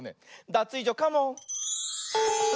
ダツイージョカモン！